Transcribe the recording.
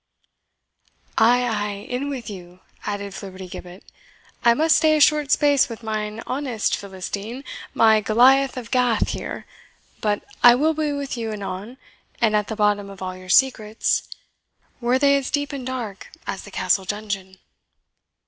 "Ay, ay, in with you," added Flibbertigibbet; "I must stay a short space with mine honest Philistine, my Goliath of Gath here; but I will be with you anon, and at the bottom of all your secrets, were they as deep and dark as the Castle dungeon."